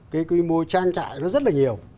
cái quy mô trang trại nó rất là nhiều